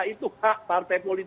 itu hak partai politik